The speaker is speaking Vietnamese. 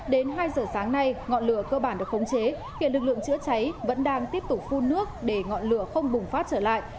đến hai giờ sáng nay ngọn lửa cơ bản được khống chế hiện lực lượng chữa cháy vẫn đang tiếp tục phun nước để ngọn lửa không bùng phát trở lại